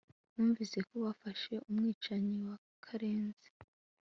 numvise ko bafashe umwicanyi wa karekezi